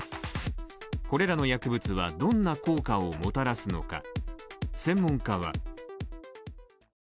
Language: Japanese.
これらの薬物は、どんな効果をもたらすのか。